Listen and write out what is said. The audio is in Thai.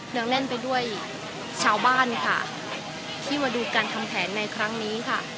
งแน่นไปด้วยชาวบ้านค่ะที่มาดูการทำแผนในครั้งนี้ค่ะ